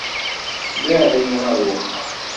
Laɛi ar wexxam!